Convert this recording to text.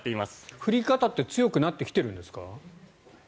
降り方って強くなってきているんですか？